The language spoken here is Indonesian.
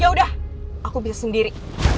yaudah aku bisa sendiri